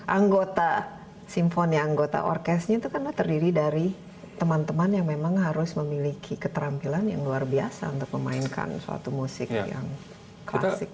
anggota simfoni anggota orkesnya itu kan terdiri dari teman teman yang memang harus memiliki keterampilan yang luar biasa untuk memainkan suatu musik yang klasik